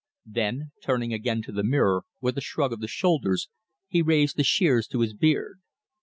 Then, turning again to the mirror, with a shrug of the shoulders, he raised the shears to his beard.